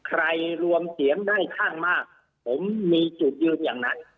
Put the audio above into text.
รวมเสียงได้ข้างมากผมมีจุดยืนอย่างนั้น